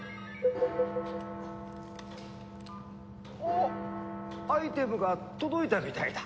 おっアイテムが届いたみたいだ。